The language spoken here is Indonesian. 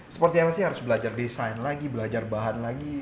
sepertinya masih harus belajar desain lagi belajar bahan lagi